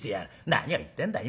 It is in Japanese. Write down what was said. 何を言ってんだい